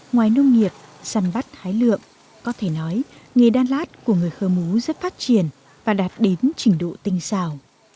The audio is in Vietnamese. ngoài nông nghiệp săn bắt hái lượm có thể nói nghề đan lát của người khơ mú rất phát triển và đạt đến trình độ tinh xào